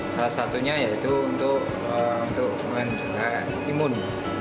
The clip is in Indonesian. salah satunya yaitu untuk menjaga imun